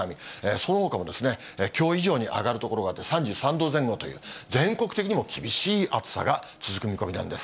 そのほかもきょう以上に上がる所があって、３３度前後という、全国的にも厳しい暑さが続く見込みなんです。